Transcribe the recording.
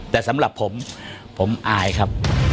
แต่สำหรับผมผมอายครับ